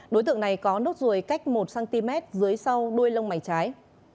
đối tượng này có nốt ruồi cách một cm dưới sau đuôi lông mày trái